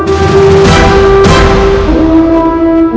aku akan menang